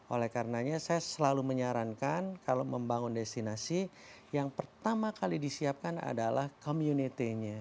oleh karenanya saya selalu menyarankan kalau membangun destinasi yang pertama kali disiapkan adalah community nya